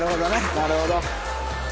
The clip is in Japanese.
なるほど。